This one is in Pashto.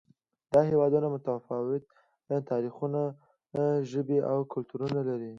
دا هېوادونه متفاوت تاریخونه، ژبې او کلتورونه لري.